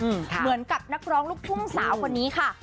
เหมือนกับนักร้องลูกทุ่งสาวคนนี้ค่ะ